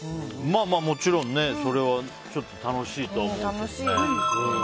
もちろんそれは楽しいと思うけどね。